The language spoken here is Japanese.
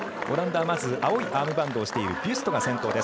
オランダは青いアームバンドをしているビュストが先頭。